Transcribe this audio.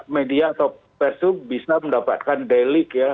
media atau pers itu bisa mendapatkan delik ya